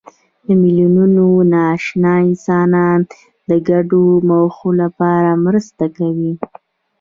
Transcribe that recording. میلیونونه ناآشنا انسانان د ګډو موخو لپاره مرسته کوي.